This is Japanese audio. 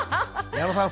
矢野さん